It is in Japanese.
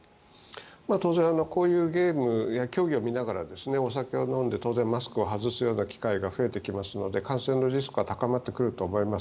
当然こういうゲームや競技を見ながらお酒を飲んで当然、マスクを外すような機会が増えてきますので感染のリスクは高まってくると思います。